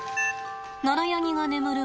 ナラヤニが眠る